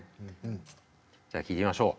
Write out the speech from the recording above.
じゃあ聴いてみましょう。